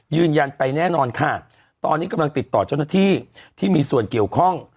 ยืนยันไปแน่นอนค่ะตอนนี้กำลังติดต่อเจ้าหน้าที่ที่มีส่วนเกี่ยวข้อง